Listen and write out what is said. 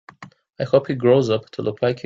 I hope he grows up to look like you.